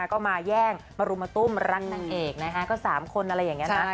ก็มาแย่งมารุมมาตุ้มรักนางเอกนะคะก็๓คนอะไรอย่างนี้นะ